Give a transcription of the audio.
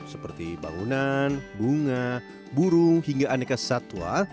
seperti bangunan bunga burung hingga aneka satwa